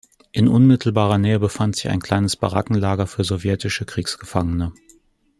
In unmittelbarer Nähe befand sich ein kleines Barackenlager für sowjetische Kriegsgefangene.